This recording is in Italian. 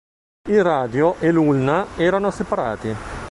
Il radio e l'ulna erano separati.